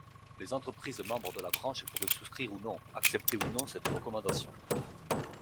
Les entreprises membres de la branche pourraient souscrire ou non, accepter ou non cette recommandation.